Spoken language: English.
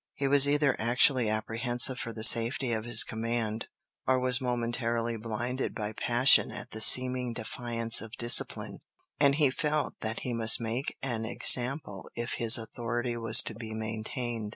He was either actually apprehensive for the safety of his command, or was momentarily blinded by passion at the seeming defiance of discipline, and he felt that he must make an example if his authority was to be maintained.